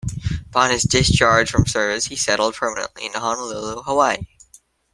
Upon his discharge from service, he settled permanently in Honolulu, Hawai'i.